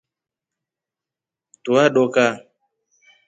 Tua doka.